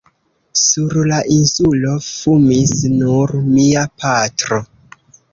Sur la Insulo fumis nur mia patro.